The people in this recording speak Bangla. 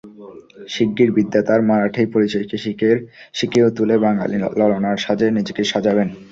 শিগগির বিদ্যা তাঁর মারাঠি পরিচয়কে শিকেয় তুলে বাঙালি ললনার সাজে নিজেকে সাজাবেন।